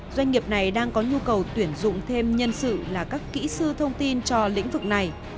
doanh nghiệp này đang có nhu cầu tuyển dụng thêm nhân sự là các kỹ sư thông tin cho lĩnh vực này